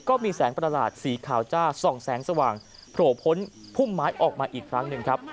ก็มีแสงประหลาดสีขาวจ้าส่องแสงสว่างโผล่พ้นพุ่มไม้ออกมาอีกครั้งหนึ่งครับ